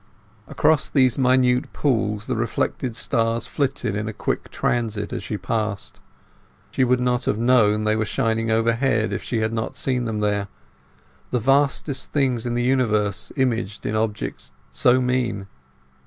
Across these minute pools the reflected stars flitted in a quick transit as she passed; she would not have known they were shining overhead if she had not seen them there—the vastest things of the universe imaged in objects so mean.